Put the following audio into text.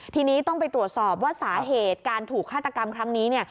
ทีนี้ต้องไปตรวจสอบว่าสาเหตุการถูกฆาตกรรมครั้งนี้